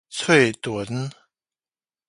喙脣